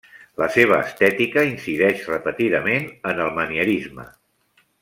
La seva estètica incideix repetidament en el manierisme.